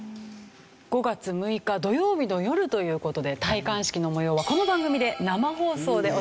５月６日土曜日の夜という事で戴冠式の模様はこの番組で生放送でお伝えする予定です。